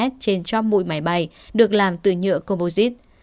trên trom mũi máy bay được làm từ nhựa composite